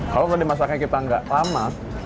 kalau kalau dimasaknya kita nggak lama